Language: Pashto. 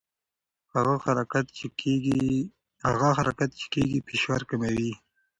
هغه حرکت چې کېږي فشار کموي.